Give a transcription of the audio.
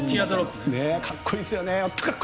かっこいいですよね。